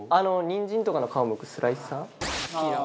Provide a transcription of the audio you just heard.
にんじんとかの皮をむくスライサー？